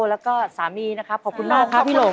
แล้วก็สามีนะครับขอบคุณมากครับพี่หลง